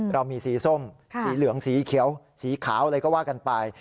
เรามีสีส้มสีเหลืองสีเขียวสีขาวอะไรก็ว่ากันไป